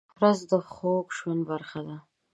رس د خوږ ژوند برخه ده